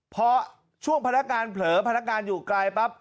พอช่วงพนักการณ์เผลอพนักการณ์อยู่ไกลปั๊บ